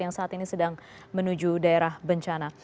yang saat ini sedang menuju daerah bencana